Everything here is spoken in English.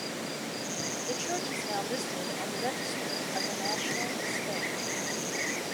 The church is now listed on the Register of the National Estate.